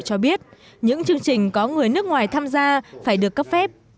cho biết những chương trình có người nước ngoài tham gia phải được cấp phép